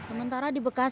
pada sabtu petang terdekat